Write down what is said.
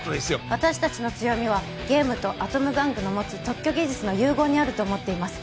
私達の強みはゲームとアトム玩具の持つ特許技術の融合にあると思っています